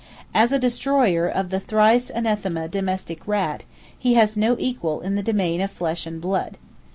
As a destroyer of the thrice anathema domestic rat, he has no equal in the domain of flesh and blood.